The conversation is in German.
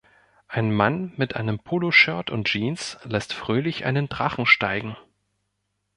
Ein Mann mit einem Poloshirt und Jeans lässt fröhlich einen Drachen steigen.